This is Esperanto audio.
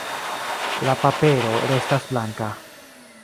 La papero restas blanka.